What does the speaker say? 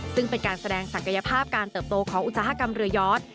ซึ่งเป็นการแสดงศักยภาพการเติบโตของอุตสาหกรรมเรือยอด